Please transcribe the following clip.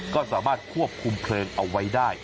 ก็สามารถควบคุมเพลิงเอาไว้ได้